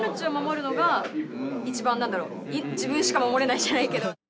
自分しか守れないじゃないけど。